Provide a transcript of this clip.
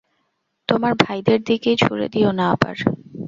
তোমার ভাইদের দিকেই ছুড়ে দিয়ো না আবার।